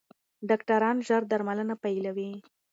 ډاکټران ژر درملنه پیلوي.